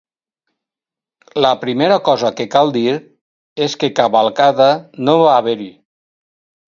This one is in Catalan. La primera cosa que cal dir és que cavalcada no va haver-hi.